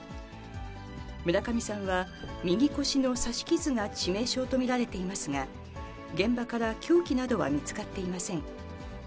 村上さんは、右腰の刺し傷が致命傷と見られていますが、現場から凶器などは見つかっていません。